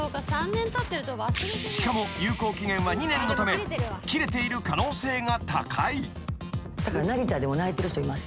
［しかも有効期限は２年のため切れている可能性が高い］だから。